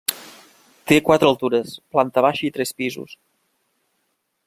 Té quatre altures, planta baixa i tres pisos.